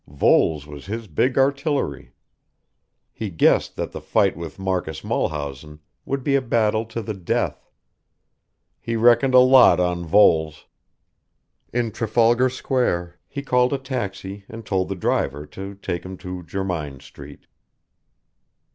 Voles was his big artillery. He guessed that the fight with Marcus Mulhausen would be a battle to the death. He reckoned a lot on Voles. In Trafalgar Square he called a taxi and told the driver to take him to Jermyn Street.